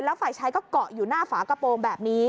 แล้วฝ่ายชายก็เกาะอยู่หน้าฝากระโปรงแบบนี้